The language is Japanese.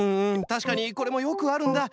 たしかにこれもよくあるんだ。